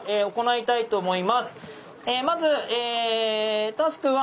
まずえタスク１。